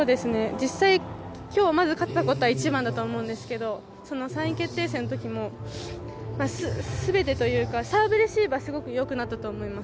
実際、今日まず勝ったことは一番だと思うんですけど３位決定戦の時も全てというかサーブレシーブはすごく良くなったと思います。